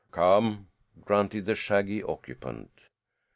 "Come," grunted the shaggy occupant.